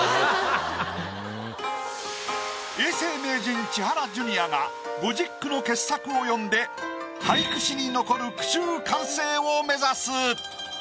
永世名人千原ジュニアが５０句の傑作を詠んで俳句史に残る句集完成を目指す。